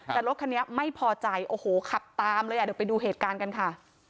แต่รถคันนี้ไม่พอใจโอ้โหขับตามเลยอ่ะเดี๋ยวไปดูเหตุการณ์กันค่ะ